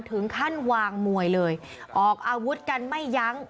ถึงขั้นวางมวยเลยออกอาวุธกันไม่ยั้ง